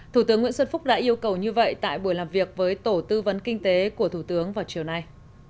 thủ tướng nguyễn xuân phúc đã yêu cầu như vậy tại buổi làm việc với tổ tư vấn kinh tế của thủ tướng vào chiều nay